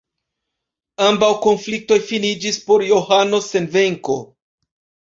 Ambaŭ konfliktoj finiĝis por Johano sen venko.